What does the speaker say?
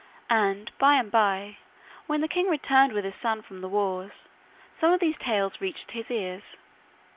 And by and bye, when the king returned with his son from the wars, some of these tales reached his ears.